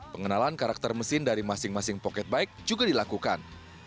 pengenalan karakter mesin dari masing masing pocket bike juga dilakukan